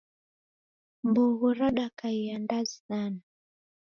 Mbogho radakaia ndazi sana